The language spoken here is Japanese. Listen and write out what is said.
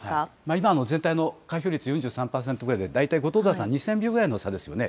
今の全体の開票率、４３％ぐらいで、大体、後藤田さん、２０００票くらいの差ですよね。